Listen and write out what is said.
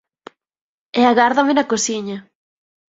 E agárdame na cociña